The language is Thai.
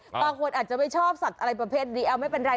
บางคนอาจจะไม่ชอบสัตว์อะไรประเภทนี้เอาไม่เป็นไร